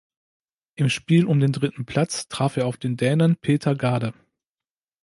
Im Spiel um den dritten Platz traf er auf den Dänen Peter Gade.